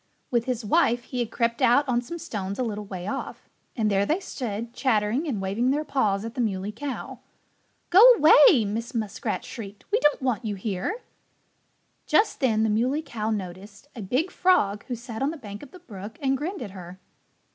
With his wife he had crept out on some stones a little way off. And there they stood, chattering and waving their paws at the Muley Cow. "Go away!" Mrs. Muskrat shrieked. "We don't want you here." Just then the Muley Cow noticed a big frog who sat on the bank of the brook and grinned at her.